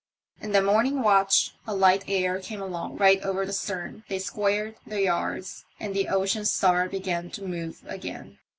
In the morning watch a light air came along right over the stern ; they squared the yards, and the Ocean Star began to move again.